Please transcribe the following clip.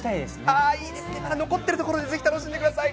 あー、いいですね、残ってる所で、ぜひ楽しんでください。